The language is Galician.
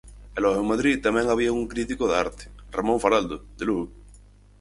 E logo en Madrid tamén había un crítico de arte, Ramón Faraldo, de Lugo.